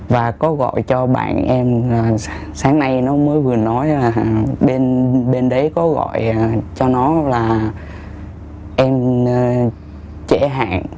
và có gọi cho bạn em sáng nay nó mới vừa nói là bên vđ có gọi cho nó là em chế hạn